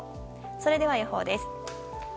それでは予報です。